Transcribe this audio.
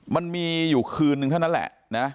มันมีอยู่คืนนึงเท่านั้นแหละนะ